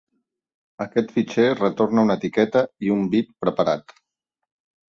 Aquest fitxer retorna una etiqueta i un bit preparat.